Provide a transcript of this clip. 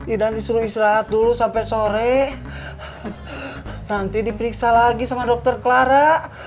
idan disuruh istirahat dulu sampai sore nanti diperiksa lagi sama dokter clara